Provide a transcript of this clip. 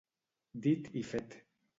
Dit i fet